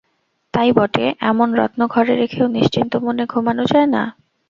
তাই বটে, এমন রত্ন ঘরে রেখেও নিশ্চিন্ত মনে ঘুমনো যায় না।